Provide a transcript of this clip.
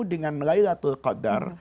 dengan laylatul qadar